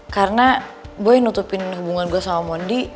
karena boy nutupin hubungan gue sama mondi